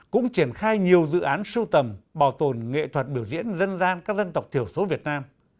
cũng triển khai nhiều dự án sưu tầm bảo tồn nghệ thuật biểu diễn dân gian các dân tộc thiểu số việt nam